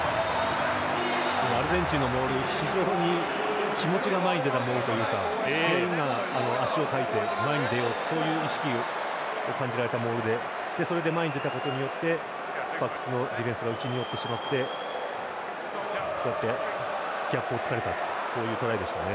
アルゼンチンのモール非常に気持ちが前に出たモールというか全員が足をかいて前に出ようというそういう意識を感じられたモールで前に出たことによってバックスのディフェンスが内に寄ってしまってギャップをつかれたというトライでしたね。